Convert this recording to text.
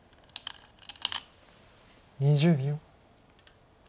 ２０秒。